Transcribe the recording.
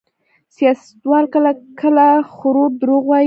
سیاستوال کله کله ښکرور دروغ وايي.